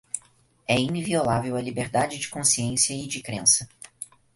é inviolável a liberdade de consciência e de crença